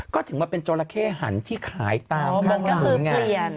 ก็ถึงมาเป็นจราเข้หันที่ขายตามข้างหลัง